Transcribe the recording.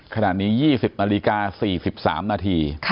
ขณะนี้๒๐นาฬิกา๔๓นาที